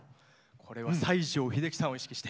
これは西城秀樹さんを意識して。